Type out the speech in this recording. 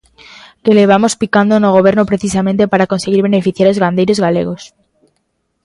Que levamos picando no Goberno precisamente para conseguir beneficiar os gandeiros galegos.